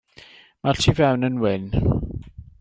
Mae'r tu fewn yn wyn.